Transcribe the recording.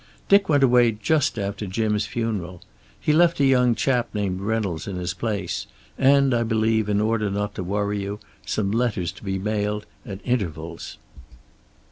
Dick went away just after Jim's funeral. He left a young chap named Reynolds in his place, and, I believe, in order not to worry you, some letters to be mailed at intervals."